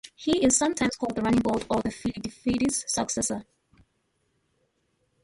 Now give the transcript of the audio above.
He is sometimes called the "Running God" or "Pheidippides' Successor".